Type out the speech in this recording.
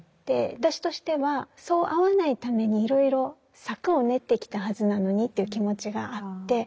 私としてはそうあわないためにいろいろ策を練ってきたはずなのにという気持ちがあって。